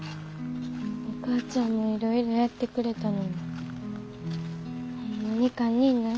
お母ちゃんもいろいろやってくれたのにホンマに堪忍な。